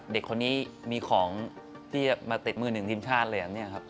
เด็กคนนี้มีของที่มาเต็ดมือหนึ่งทีมชาติเลย